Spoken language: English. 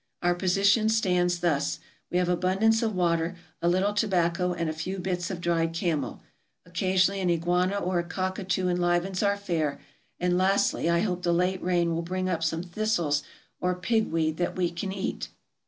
Our position stands thus : We have abundance of water, a little tobacco, and a few bits of dried camel. Occasionally an iguana or a cockatoo enlivens our fare, and lastly, I hope the late rain will bring up some thistles or pig weed that we can eat.